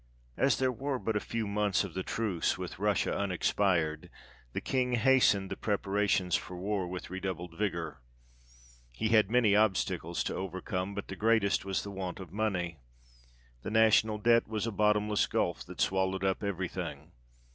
As there were but a few months of the truce with Russia unexpired, the King hastened the preparations for war with redoubled vigour. He had many obstacles to overcome, but the greatest was the want of money ; the National Debt was a bottomless gulf that swallowed up every thing.